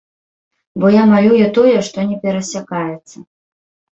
Бо я малюю тое, што не перасякаецца.